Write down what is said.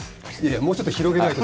もうちょっと広げないと。